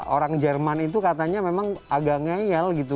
orang jerman itu katanya memang agak ngeyel gitu